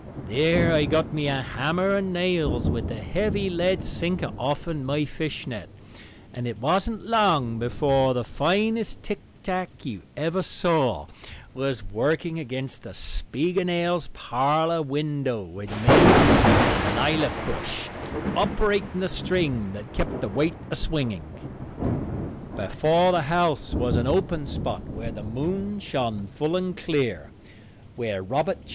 There I got me a hammer and nails with the heavy lead sinker offen my fishnet, and it wasn't long before the finest tick tack you ever saw was working against the Spiegelnails' parlor window, with me in a lilac bush operating the string that kept the weight a swinging. Before the house was an open spot where the moon shone full and clear, where Robert J.